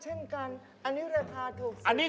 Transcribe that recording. เฮ้ยถูกกว่านี้